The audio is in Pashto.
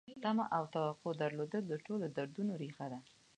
تمه او توقع درلودل د ټولو دردونو ریښه ده.